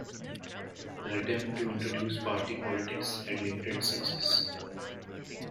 The attempt to introduce party politics had limited success.